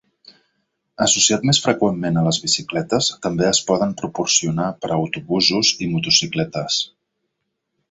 Associat més freqüentment a les bicicletes, també es poden proporcionar per a autobusos i motocicletes.